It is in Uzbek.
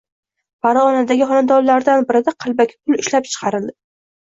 Farg‘onadagi xonadonlaridan birida qalbaki pul “ishlab chiqarildi”